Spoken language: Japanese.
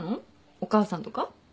お母さんとか？